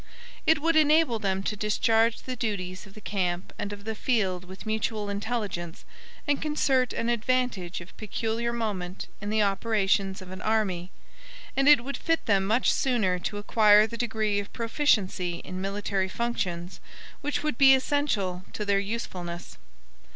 It would enable them to discharge the duties of the camp and of the field with mutual intelligence and concert an advantage of peculiar moment in the operations of an army; and it would fit them much sooner to acquire the degree of proficiency in military functions which would be essential to their usefulness.